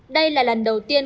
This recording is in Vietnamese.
đây là lần đầu tiên